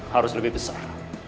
harus lebih besar